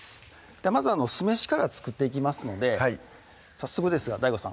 まず酢飯から作っていきますので早速ですがＤＡＩＧＯさん